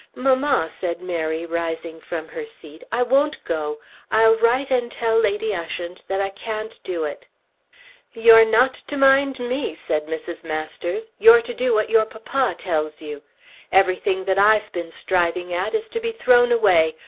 "Mamma," said Mary, rising from her seat, "I won't go. I'll write and tell Lady Ushant that I can't do it." "You're not to mind me," said Mrs. Masters. "You're to do what your papa tells you. Everything that I've been striving at is to be thrown away.